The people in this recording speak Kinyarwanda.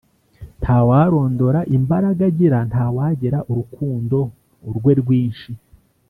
Ntawarondora imbaraga agira ntawagera urukundo rwe rwinshi